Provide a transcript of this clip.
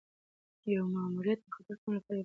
یو ماموریت د خطر کمولو لپاره پلان شوی.